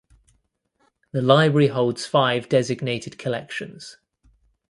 The library holds five Designated collections.